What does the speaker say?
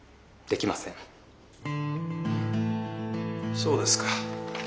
そうですか。